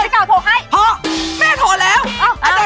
เฮ้ยนี่กาวโทหะให้